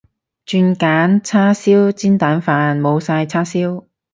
轉揀叉燒煎蛋飯，冇晒叉燒